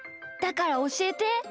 だからおしえて。